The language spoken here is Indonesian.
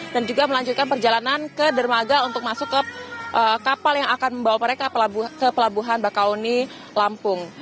dan juga melanjutkan perjalanan ke dermaga untuk masuk ke kapal yang akan membawa mereka ke pelabuhan bakaoni lampung